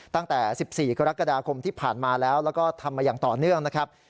ตั้งแต่๑๔กรกฎาคมที่ผ่านมาแล้วแล้วก็ทำมาอย่างต่อเนื่องนะครับ